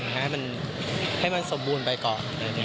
ให้มันสมบูรณ์ไปก่อน